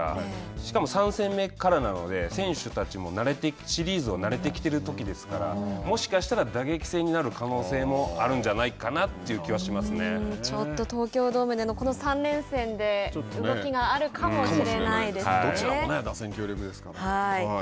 しかも３戦目からなので選手たちも慣れてシリーズを慣れてきているときですからもしかしたら打撃戦になる可能性もあるんじゃないかなというちょっと東京ドームでのこの３連戦で動きがあるかもしれないですね。